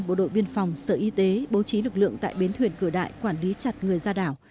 bộ đội biên phòng sở y tế bố trí lực lượng tại bến thuyền cửa đại quản lý chặt người ra đảo